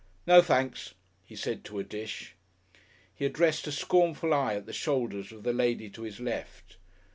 "No, thenks," he said to a dish. He addressed a scornful eye at the shoulders of the lady to his left.